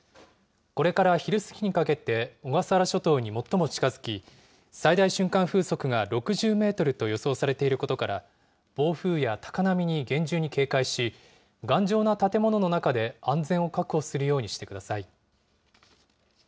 これから昼過ぎにかけて、小笠原諸島に最も近づき、最大瞬間風速が６０メートルと予想されていることから、暴風や高波に厳重に警戒し、頑丈な建物の中で安全を確保するようにしてください。